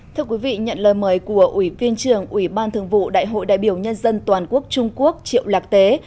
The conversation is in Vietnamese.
thưa quý vị nhận lời mời của ủy viên trưởng ủy ban thường vụ đại hội đại biểu nhân dân toàn quốc trung quốc triệu lạc tế